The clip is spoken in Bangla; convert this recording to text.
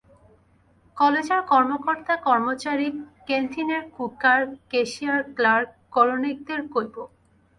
কলেজের কর্মকর্তা-কর্মচারী, কেন্টিনের কুকার, কেশিয়ার, ক্লার্ক, করণিকদের কইব।